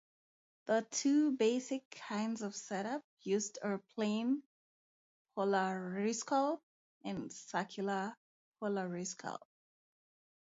The two basic kinds of setup used are plane polariscope and circular polariscope.